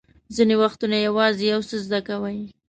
ځینې وختونه یوازې یو څه زده کوئ.